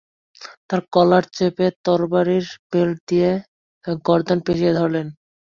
তার কলার চেপে তরবারীর বেল্ট দিয়ে গর্দান পেঁচিয়ে ধরলেন।